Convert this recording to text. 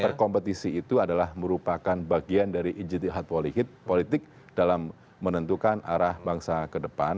berkompetisi itu adalah merupakan bagian dari ijtihad politik dalam menentukan arah bangsa ke depan